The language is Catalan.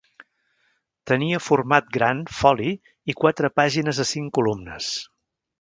Tenia format gran foli i quatre pàgines a cinc columnes.